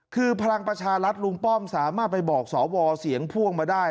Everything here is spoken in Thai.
คือพลังประชารัฐลุงป้อมสามารถไปบอกสวเสียงพ่วงมาได้